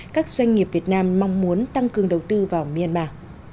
các doanh nghiệp việt nam mong muốn tăng cường đầu tư vào myanmar